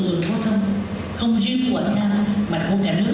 người của không không riêng quảng nam mà của cả nước